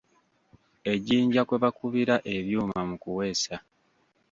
Ejjinja kwe bakubira ebyuma mu kuweesa.